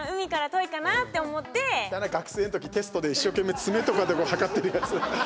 いたな、学生の時テストで一生懸命爪とかで測ってるやつ。